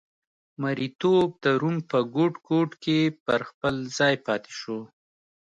مریتوب د روم په ګوټ ګوټ کې پر خپل ځای پاتې شو